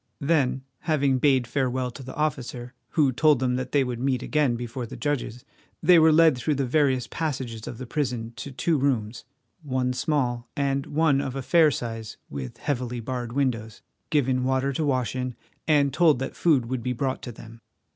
Then having bade farewell to the officer, who told them that they would meet again before the judges, they were led through the various passages of the prison to two rooms, one small and one of a fair size with heavily barred windows, given water to wash in, and told that food would be brought to them.